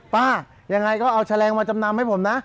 ป้ายังไงก็เอาแฉลงมาจำนำให้ผมนะ